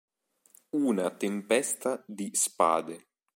Una tempesta di spade.